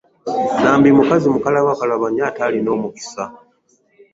Nambi mukazi mukalabakalaba nnyo ate alina omukisa.